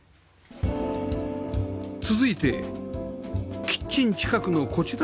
続いてキッチン近くのこちらのドアへ